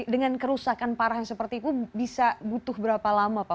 dengan kerusakan parah seperti itu bisa butuh berapa lama pak